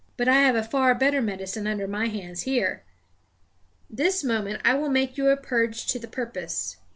But I have a far better medicine under my hands here. This moment I will make you a purge to the purpose."